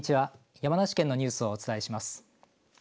山梨県のニュースをお伝えします。